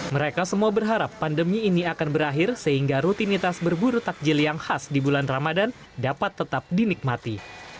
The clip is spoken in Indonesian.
mereka semua berharap pandemi ini akan berakhir sehingga rutinitas berburu takjil yang khas di bulan ramadan dapat tetap dinikmati